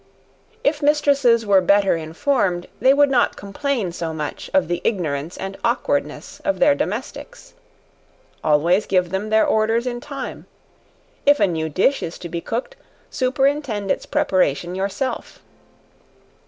If mistresses were better informed, they would not complain so much of the ignorance and awkwardness of their domestics. Always give them their orders in time. If a new dish is to be cooked, superintend its preparation yourself.